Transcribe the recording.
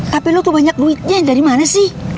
tapi lu tuh banyak duitnya dari mana sih